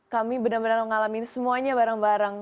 kami benar benar mengalami semuanya bareng bareng